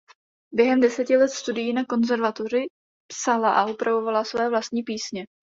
Během deseti let studií na konzervatoři psala a upravovala své vlastní písně.